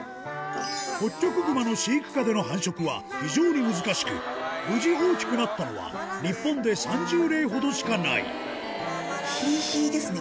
ホッキョクグマの飼育下での繁殖は非常に難しく無事大きくなったのは日本で３０例ほどしかないヒィヒィですね